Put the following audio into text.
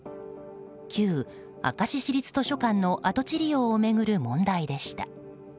旧明石市立図書館の跡地利用を巡る問題でした。